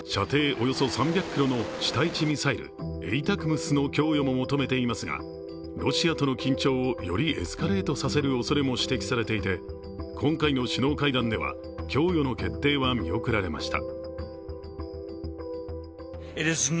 およそ３００ｋｍの地対地ミサイルＡＴＡＣＭＳの供与も求めていますがロシアとの緊張を、よりエスカレートさせるおそれも指摘されていて、今回の首脳会談では供与の決定は見送られました。